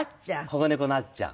保護猫のあっちゃん。